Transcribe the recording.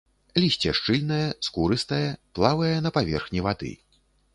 Лісце шчыльнае, скурыстае, плавае на паверхні вады.